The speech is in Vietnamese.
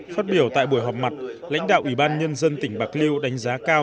phát biểu tại buổi họp mặt lãnh đạo ủy ban nhân dân tỉnh bạc liêu đánh giá cao